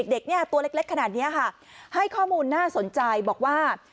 เด็กเนี่ยตัวเล็กขนาดนี้ค่ะให้ข้อมูลน่าสนใจบอกว่า